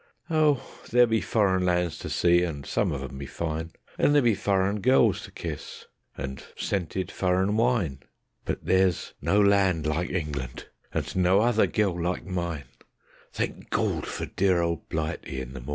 Oh, there be furrin' lands to see, and some of 'em be fine; And there be furrin' gels to kiss, and scented furrin' wine; But there's no land like England, and no other gel like mine: Thank Gawd for dear old Blighty in the mawnin'.